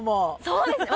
そうですね